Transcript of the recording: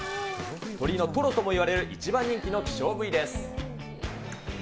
鶏のトロともいわれる一番人気の希少部位です。